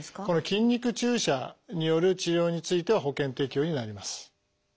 この筋肉注射による治療については保険適用になります。